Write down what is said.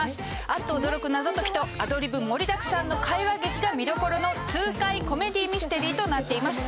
あっと驚く謎解きとアドリブ盛りだくさんの会話劇が見所の痛快コメディーミステリーとなっています。